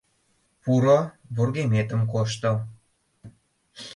— Пуро, вургеметым кошто.